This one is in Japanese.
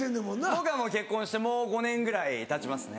僕は結婚してもう５年ぐらいたちますね。